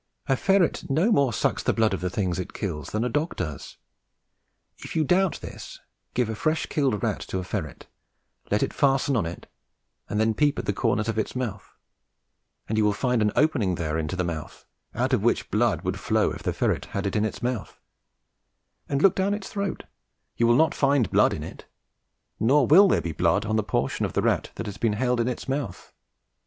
A ferret no more sucks the blood of the things it kills than a dog does. If you doubt this, give a fresh killed rat to a ferret, let it fasten on it, and then peep at the corners of its mouth, and you will find an opening there into the mouth, out of which blood would flow if the ferret had it in its mouth; and look down its throat, you will not find blood in it, nor will there be blood on the portion of the rat that has been held in its mouth.